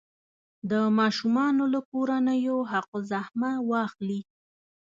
د ماشومانو له کورنیو حق الزحمه واخلي.